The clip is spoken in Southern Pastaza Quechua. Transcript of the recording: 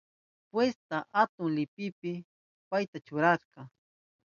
Jueska atun liwipi payta churarka.